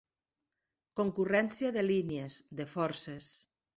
Concurrència de línies, de forces.